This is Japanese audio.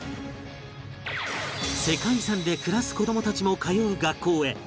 世界遺産で暮らす子どもたちも通う学校へ